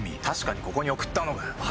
確かにここに送ったのかよ？